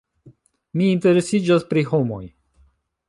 Mi interesiĝas pri homoj.